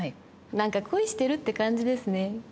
何か恋してるって感じですね。